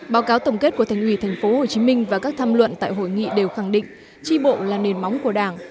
báo cáo tổng kết của thành ủy tp hcm và các tham luận tại hội nghị đều khẳng định tri bộ là nền móng của đảng